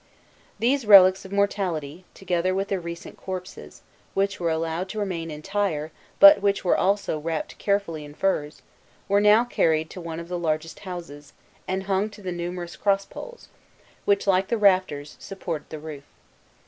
These relics of mortality, together with the recent corpses, which were allowed to remain entire, but which were also wrapped carefully in furs, were now carried to one of the largest houses, and hung to the numerous cross poles, which, like rafters, supported the roof.